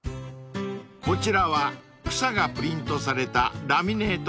［こちらは草がプリントされたラミネートフィルム］